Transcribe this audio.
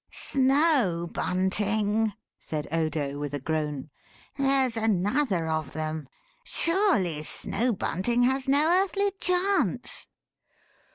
"Snow Bunting?" said Odo, with a groan, "there's another of them. Surely, Snow Bunting has no earthly chance?"